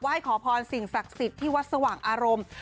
ทางไปกราบไหว้ขอพรสิ่งศักดิ์สิทธิ์ที่วัดสว่างอารมณ์